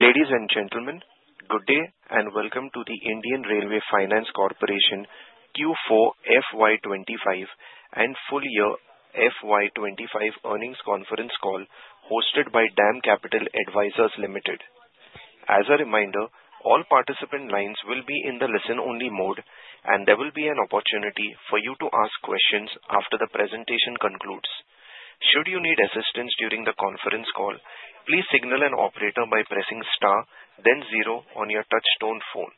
Ladies and gentlemen, good day and welcome to the Indian Railway Finance Corporation Q4 FY25 and full year FY25 earnings conference call hosted by DAM Capital Advisors Limited. As a reminder, all participant lines will be in the listen-only mode, and there will be an opportunity for you to ask questions after the presentation concludes. Should you need assistance during the conference call, please signal an operator by pressing star, then zero on your touch-tone phone.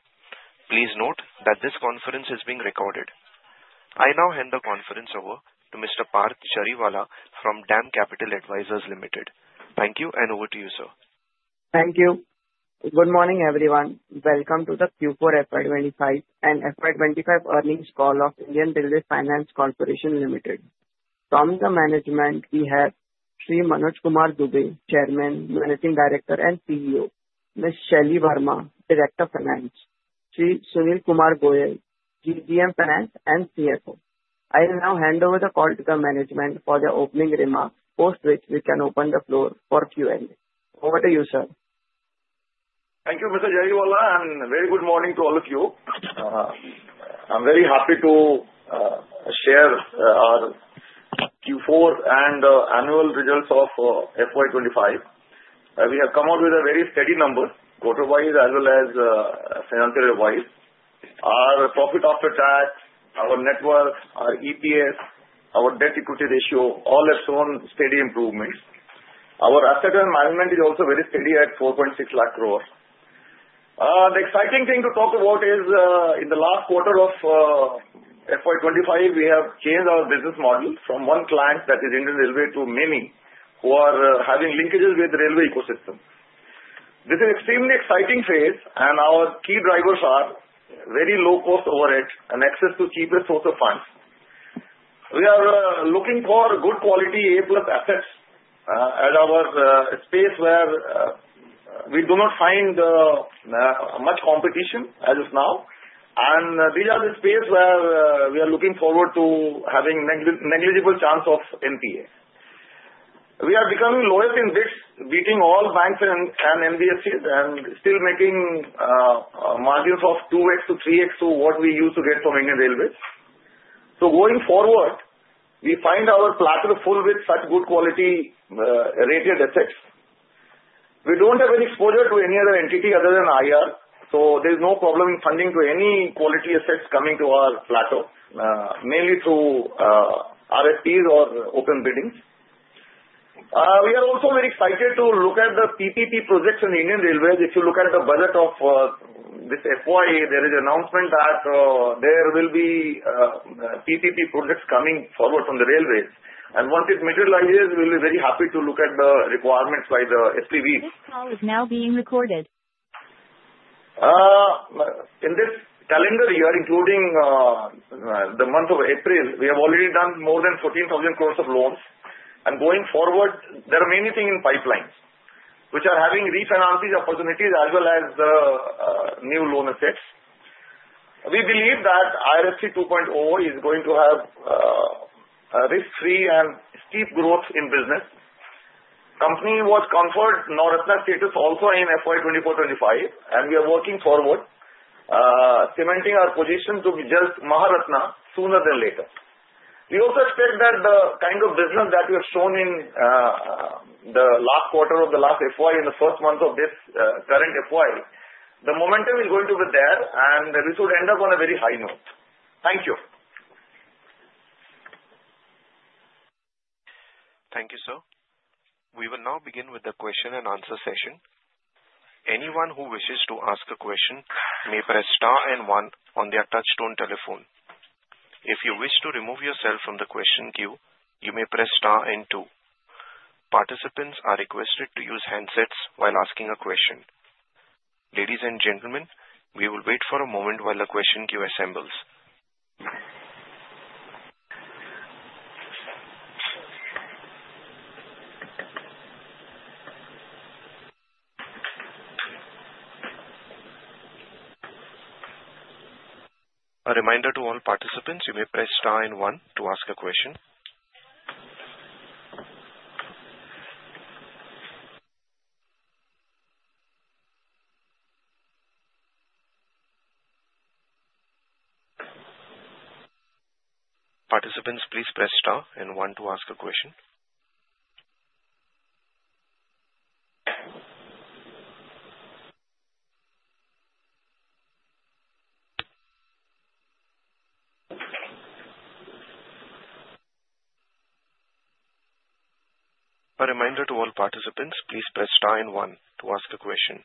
Please note that this conference is being recorded. I now hand the conference over to Mr. Parth Jariwala from DAM Capital Advisors Limited. Thank you, and over to you, sir. Thank you. Good morning, everyone. Welcome to the Q4 FY25 and FY25 earnings call of Indian Railway Finance Corporation Limited. From the management, we have Sri Manoj Kumar Dubey, Chairman, Managing Director, and CEO. Ms. Shelly Verma, Director of Finance. Sri Sunil Kumar Goel, GM Finance and CFO. I will now hand over the call to the management for the opening remarks, post which we can open the floor for Q&A. Over to you, sir. Thank you, Mr. Jariwala, and very good morning to all of you. I'm very happy to share our Q4 and annual results of FY25. We have come up with a very steady number, quarter-wise as well as financial-wise. Our profit after tax, our net worth, our EPS, our debt-to-equity ratio all have shown steady improvements. Our Assets Under Management is also very steady at 4.6 lakh crores. The exciting thing to talk about is, in the last quarter of FY25, we have changed our business model from one client that is Indian Railways to many who are having linkages with the railway ecosystem. This is an extremely exciting phase, and our key drivers are very low cost overhead and access to cheapest source of funds. We are looking for good quality A+ assets as our space where we do not find much competition as of now, and these are the space where we are looking forward to having negligible chance of NPA. We are becoming leaders in this, beating all banks and NBFCs and still making margins of 2x to 3x to what we used to get from Indian Railways. So going forward, we find our portfolio full with such good quality rated assets. We don't have any exposure to any other entity other than IR, so there is no problem in funding to any quality assets coming to our portfolio, mainly through RFPs or open bidding. We are also very excited to look at the PPP projects in Indian Railways. If you look at the budget of this FY, there is an announcement that there will be PPP projects coming forward from the railways, and once it materializes, we will be very happy to look at the requirements by the SPVs. This call is now being recorded. In this calendar year, including the month of April, we have already done more than 14,000 crores of loans, and going forward, there are many things in pipelines which are having refinancing opportunities as well as new loan assets. We believe that IRFC 2.0 is going to have risk-free and steep growth in business. The Company was conferred Maharatna status also in FY 2024-25, and we are working forward, cementing our position to be just Maharatna sooner than later. We also expect that the kind of business that we have shown in the last quarter of the last FY and the first month of this current FY, the momentum is going to be there, and we should end up on a very high note. Thank you. Thank you, sir. We will now begin with the question and answer session. Anyone who wishes to ask a question may press star and one on their touch-tone telephone. If you wish to remove yourself from the question queue, you may press star and two. Participants are requested to use handsets while asking a question. Ladies and gentlemen, we will wait for a moment while the question queue assembles. A reminder to all participants, you may press star and one to ask a question. Participants, please press star and one to ask a question. A reminder to all participants, please press star and one to ask a question.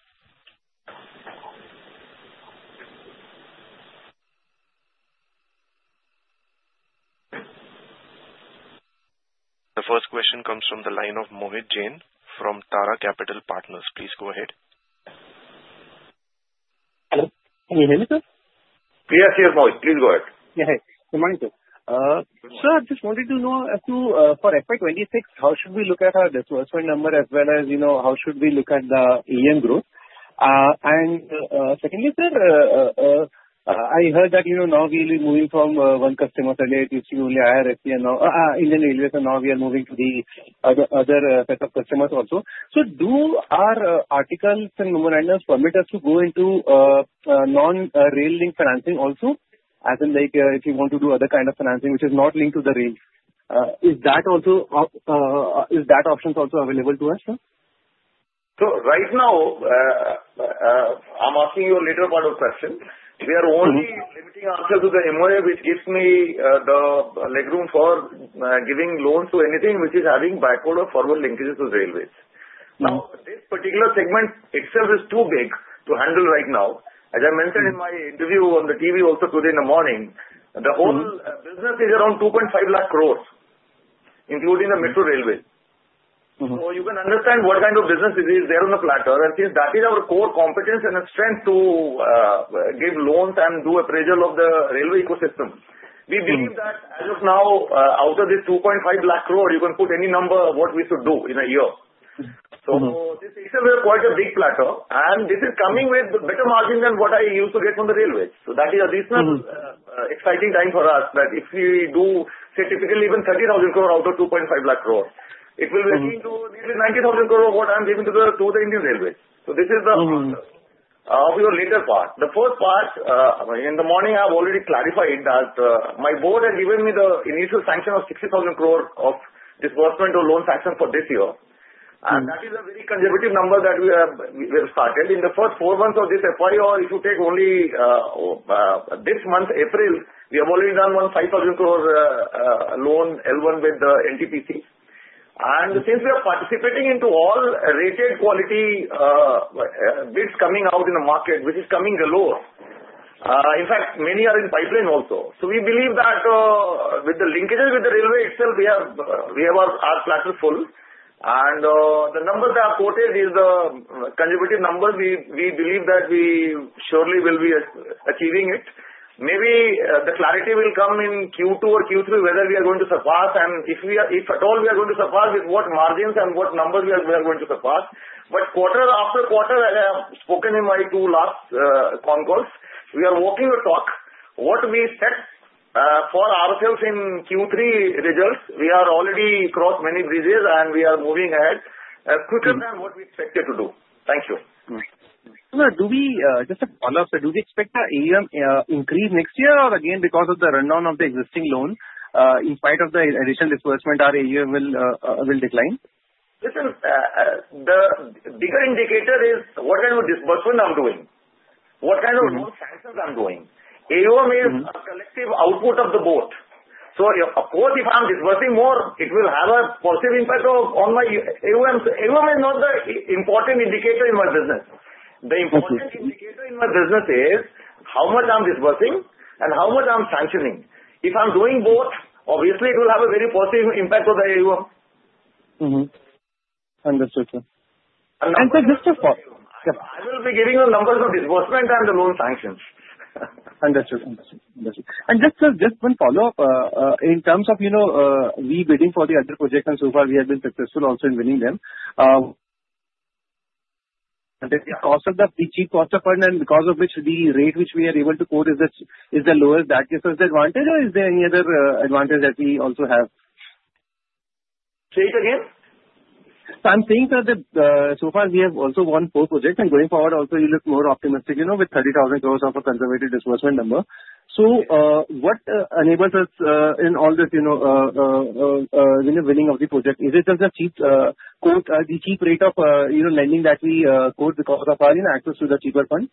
The first question comes from the line of Mohit Jain from Tara Capital Partners. Please go ahead. Hello. Can you hear me, sir? Yes, yes, Mohit, please go ahead. Yeah, hey. Good morning, sir. Sir, I just wanted to know, for FY26, how should we look at our disbursement number as well as how should we look at the EM growth? And secondly, sir, I heard that now we'll be moving from one customer today to see only IRFC and now Indian Railways, and now we are moving to the other set of customers also. So do our articles and memorandums permit us to go into non-rail link financing also, as in if you want to do other kind of financing which is not linked to the rails? Is that option also available to us, sir? So right now, I'm asking you the latter part of the question. We are only limiting ourselves to the MOA, which gives me the legroom for giving loans to anything which is having backward or forward linkages to railways. Now, this particular segment itself is too big to handle right now. As I mentioned in my interview on the TV also today in the morning, the whole business is around 2.5 lakh crores, including the Metro Railway. So you can understand what kind of business it is there on the platter, and since that is our core competence and a strength to give loans and do appraisal of the railway ecosystem, we believe that as of now, out of this 2.5 lakh crore, you can put any number of what we should do in a year. So this is quite a big platter, and this is coming with better margin than what I used to get from the railways. So that is an additional exciting time for us that if we do, say, typically even 30,000 crore out of 2.5 lakh crore, it will be 90,000 crore of what I'm giving to the Indian Railways. So this is the latter part. The first part, in the morning, I've already clarified that my board has given me the initial sanction of 60,000 crore of disbursement or loan sanction for this year, and that is a very conservative number that we have started. In the first four months of this FY, or if you take only this month, April, we have already done 5,000 crore loan L1 with the NTPC. And since we are participating into all rated quality bids coming out in the market, which is coming alone, in fact, many are in pipeline also. So we believe that with the linkages with the railway itself, we have our platter full, and the number that I quoted is the conservative number. We believe that we surely will be achieving it. Maybe the clarity will come in Q2 or Q3, whether we are going to surpass, and if at all we are going to surpass, with what margins and what numbers we are going to surpass. But quarter after quarter, as I have spoken in my two last phone calls, we are walking the talk. What we set for ourselves in Q3 results, we have already crossed many bridges, and we are moving ahead quicker than what we expected to do. Thank you. Sir, just a follow-up, sir? Do we expect the AUM increase next year, or again, because of the run-down of the existing loan, in spite of the additional disbursement, our AUM will decline? Listen, the bigger indicator is what kind of disbursement I'm doing, what kind of loan sanctions I'm doing. AUM is a collective output of the board. So of course, if I'm disbursing more, it will have a positive impact on my AUM. So AUM is not the important indicator in my business. The important indicator in my business is how much I'm disbursing and how much I'm sanctioning. If I'm doing both, obviously, it will have a very positive impact on the AUM. Understood, sir. And sir, just a follow-up. I will be giving you numbers of disbursement and the loan sanctions. Understood. And just one follow-up. In terms of re-bidding for the other projects, and so far, we have been successful also in winning them. And then the cost of the cheap cost of fund, and because of which the rate which we are able to quote is the lowest, that gives us the advantage, or is there any other advantage that we also have? Say it again. So I'm saying that so far, we have also won four projects, and going forward, also you look more optimistic with 30,000 crores of a conservative disbursement number. So what enables us in all this winning of the project? Is it just the cheap quote, the cheap rate of lending that we quote because of our access to the cheaper fund?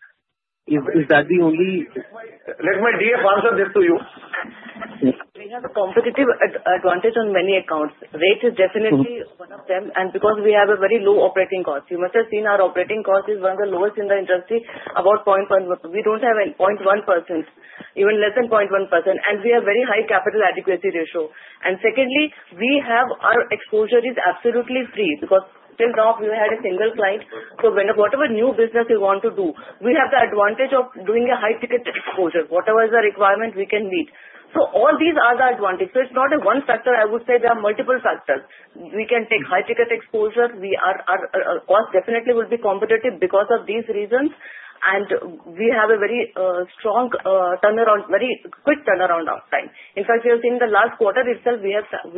Is that the only? Let my DF answer this to you. We have a competitive advantage on many accounts. Rate is definitely one of them, and because we have a very low operating cost. You must have seen our operating cost is one of the lowest in the industry, about 0.1%. We don't have 0.1%, even less than 0.1%, and we have very high capital adequacy ratio, and secondly, our exposure is absolutely risk-free because till now, we had a single client, so when whatever new business we want to do, we have the advantage of doing a high-ticket exposure. Whatever is the requirement, we can meet, so all these are the advantages, so it's not a one factor. I would say there are multiple factors. We can take high-ticket exposure. Our cost definitely will be competitive because of these reasons, and we have a very strong turnaround, very quick turnaround time. In fact, we have seen the last quarter itself, we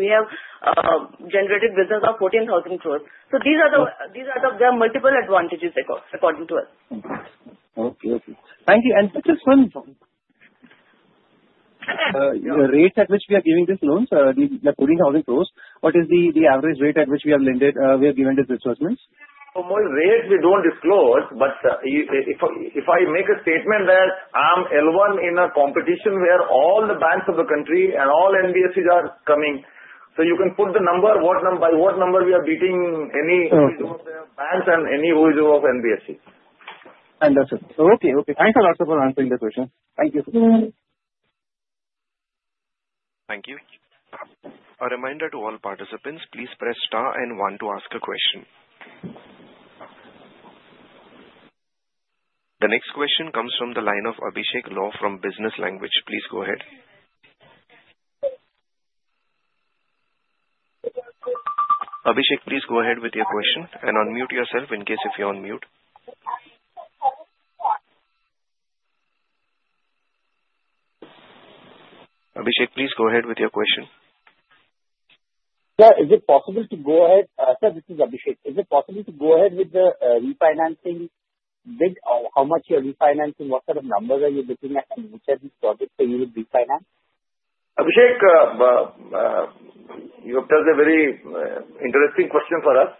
have generated business of 14,000 crores. So these are the multiple advantages according to us. Okay. Thank you, and just one rate at which we are giving these loans, 14,000 crores. What is the average rate at which we have lent, we have given these disbursements? For my rate, we don't disclose, but if I make a statement that I'm L1 in a competition where all the banks of the country and all NBFCs are coming, so you can put the number by what number we are beating any offer of the banks and any offer of NBFC. Understood. Okay. Okay. Thanks a lot for answering the question. Thank you. Thank you. A reminder to all participants, please press star and one to ask a question. The next question comes from the line of Abhishek Law from The Hindu Business Line. Please go ahead. Abhishek, please go ahead with your question and unmute yourself in case if you're on mute. Abhishek, please go ahead with your question. Sir, is it possible to go ahead? Sir, this is Abhishek. Is it possible to go ahead with the refinancing bid? How much you're refinancing? What sort of numbers are you looking at, and which are these projects that you would refinance? Abhishek, you've asked a very interesting question for us.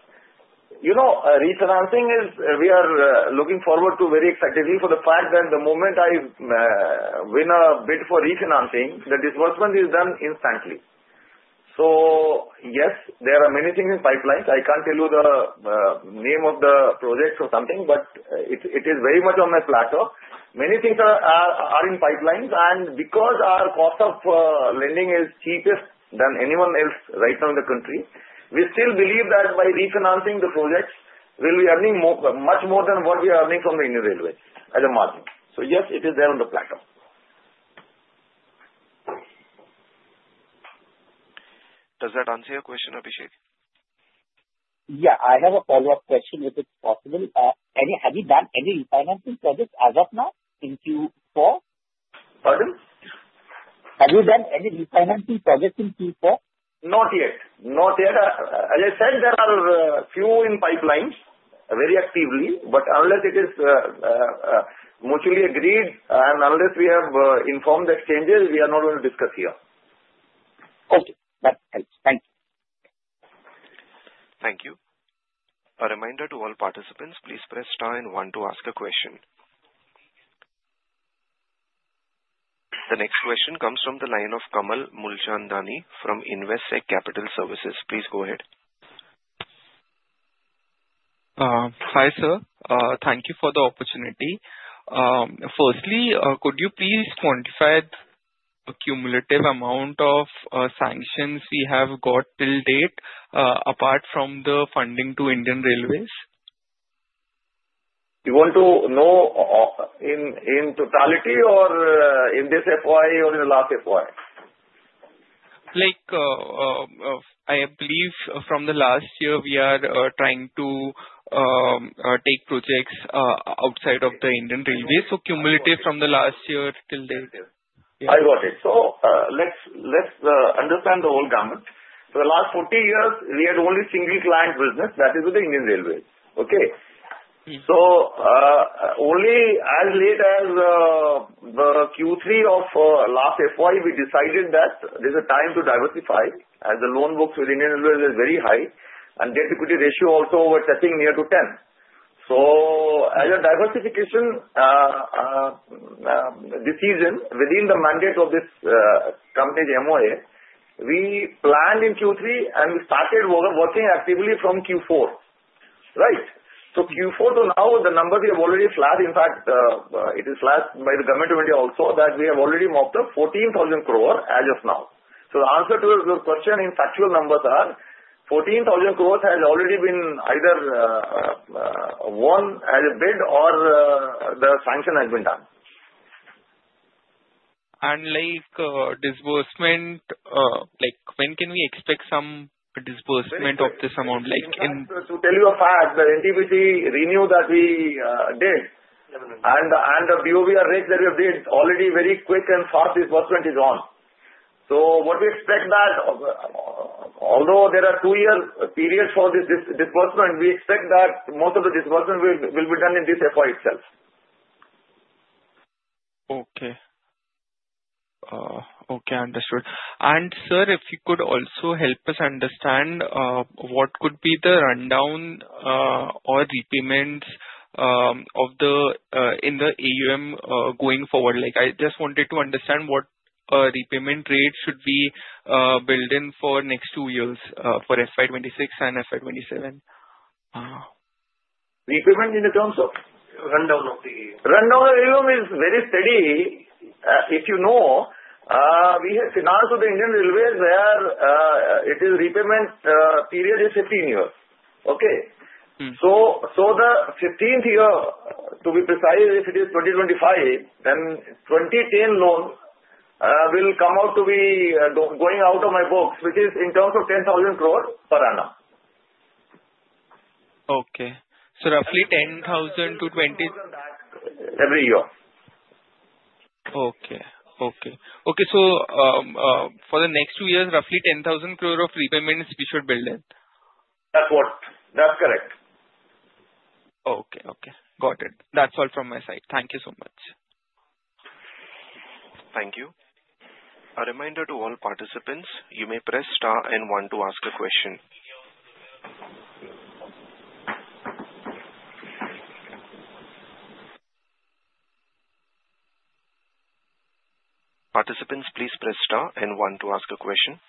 Refinancing is we are looking forward to very excitedly for the fact that the moment I win a bid for refinancing, the disbursement is done instantly. So yes, there are many things in pipelines. I can't tell you the name of the projects or something, but it is very much on my platter. Many things are in pipelines, and because our cost of lending is cheaper than anyone else right now in the country, we still believe that by refinancing the projects, we'll be earning much more than what we are earning from the Indian Railways as a margin. So yes, it is there on the platter. Does that answer your question, Abhishek? Yeah. I have a follow-up question, if it's possible. Have you done any refinancing projects as of now in Q4? Pardon? Have you done any refinancing projects in Q4? Not yet. Not yet. As I said, there are a few in pipelines very actively, but unless it is mutually agreed and unless we have informed exchanges, we are not going to discuss here. Okay. That helps. Thank you. Thank you. A reminder to all participants, please press star and one to ask a question. The next question comes from the line of Kamal Mulchandani from Investec Capital Services. Please go ahead. Hi sir. Thank you for the opportunity. Firstly, could you please quantify the cumulative amount of sanctions we have got till date, apart from the funding to Indian Railways? You want to know in totality or in this FY or in the last FY? I believe from the last year, we are trying to take projects outside of the Indian Railways. So cumulative from the last year till date. I got it. So let's understand the whole gamut. For the last 40 years, we had only single-client business, that is with the Indian Railways. Okay? So only as late as the Q3 of last FY, we decided that there's a time to diversify as the loan books with Indian Railways are very high, and debt-to-equity ratio also were touching near to 10. So as a diversification decision within the mandate of this company's MOA, we planned in Q3, and we started working actively from Q4. Right? So Q4 to now, the numbers we have already sanctioned. In fact, it is sanctioned by the government of India also that we have already mopped up 14,000 crore as of now. So the answer to your question in factual numbers are 14,000 crores has already been either won as a bid or the sanction has been done. Disbursement, when can we expect some disbursement of this amount? To tell you a fact, the NTPC renew that we did, and the BluSmart that we have did, already very quick and fast disbursement is on. So what we expect that although there are two-year periods for this disbursement, we expect that most of the disbursement will be done in this FY itself. Okay. Okay. Understood. Sir, if you could also help us understand what could be the rundown or repayments in the AUM going forward? I just wanted to understand what repayment rate should be built in for next two years for FY26 and FY27. Repayment in the terms of rundown of the AUM? Rundown of AUM is very steady. If you know, we have financed with the Indian Railways where it is repayment period is 15 years. Okay? So the 15th year, to be precise, if it is 2025, then 2010 loan will come out to be going out of my books, which is in terms of 10,000 crore per annum. Okay, so roughly 10,000 to 20. Every year. Okay. So for the next two years, roughly 10,000 crore of repayments we should build in? That's correct. Okay. Okay. Got it. That's all from my side. Thank you so much. Thank you. A reminder to all participants, you may press star and one to ask a question. Participants, please press star and one to ask a question.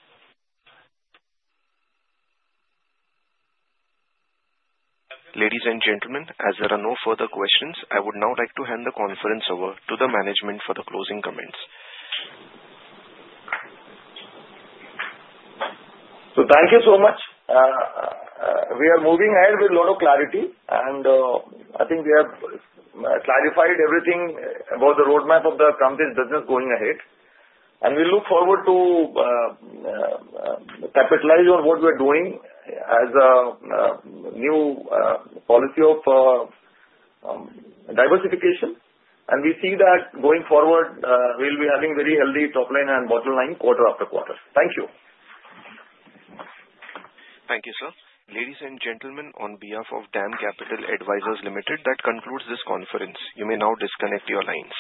Ladies and gentlemen, as there are no further questions, I would now like to hand the conference over to the management for the closing comments. So thank you so much. We are moving ahead with a lot of clarity, and I think we have clarified everything about the roadmap of the company's business going ahead. And we look forward to capitalize on what we are doing as a new policy of diversification, and we see that going forward, we'll be having very healthy top line and bottom line quarter after quarter. Thank you. Thank you, sir. Ladies and gentlemen, on behalf of DAM Capital Advisors Limited, that concludes this conference. You may now disconnect your lines.